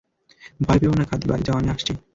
ভয় পেয়ও না খাদি, বাড়ি যাও, আমি আসছি।